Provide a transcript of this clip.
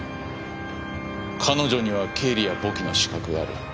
彼女には経理や簿記の資格がある。